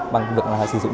bằng được sử dụng